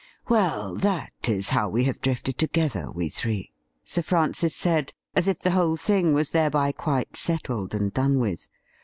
' Well, that is how we have drifted together, we three,' Sir Francis said, as if the whole thing was thereby quite settled and done with.